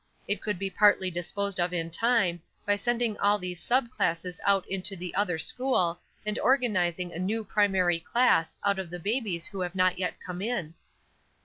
It could be partly disposed of in time, by sending all these sub classes out into the other school, and organizing a new primary class out of the babies who have not yet come in."